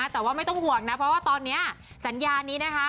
แต่ว่าไม่ต้องห่วงนะเพราะว่าตอนนี้สัญญานี้นะคะ